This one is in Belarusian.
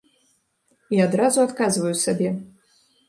І адразу адказваю сабе.